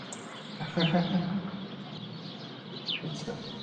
Se utilizan dosis repetidas debido a su corta vida media.